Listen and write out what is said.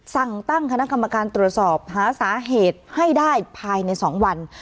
สั่งตั้งคณะกรรมการตรวจสอบหาสาเหตุให้ได้ภายใน๒วัน